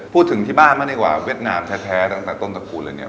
พูดถึงที่บ้านก็ดีกว่าเวียดนามแท้ตั้งแต่ต้นสกุลเลย